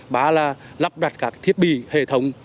ba là lắp đặt các thiết bị hệ thống